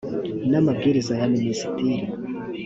n amabwiriza ya minisitiri